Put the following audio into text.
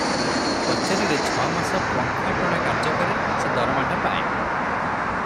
କଚେରିରେ ଛ ମାସ ପଙ୍ଖା ଟଣା କାର୍ଯ୍ୟ କରେ, ସେ ଦରମାଟା ପାଏ ।